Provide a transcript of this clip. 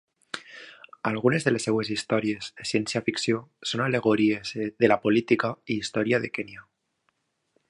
Algunes de les seves històries de ciència ficció són al·legories de la política i història de Kènia.